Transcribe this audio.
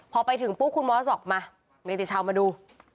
พอไปถึงปุ๊บคุณมอสบอกมาเนติชาวมาดู